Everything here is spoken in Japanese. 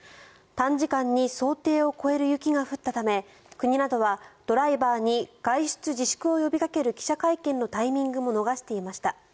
短時間に想定を超える雪が降ったため国などはドライバーに外出自粛を呼びかける記者会見のタイミングも逃していました。